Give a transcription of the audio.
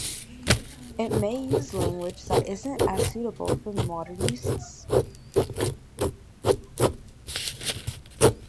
It may use language that isn’t as suitable for modern uses.